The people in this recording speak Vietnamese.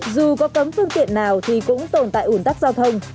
dù có cấm phương tiện nào thì cũng tồn tại ủn tắc giao thông